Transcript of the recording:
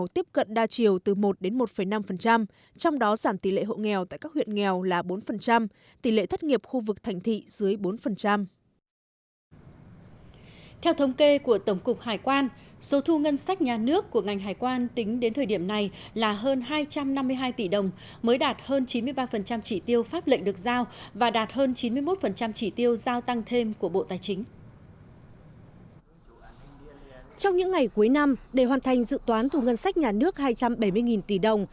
trong những ngày cuối năm để hoàn thành dự toán thu ngân sách nhà nước hai trăm bảy mươi tỷ đồng